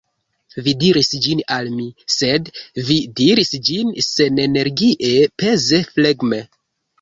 Vi diris ĝin al mi; sed vi diris ĝin senenergie, peze, flegme.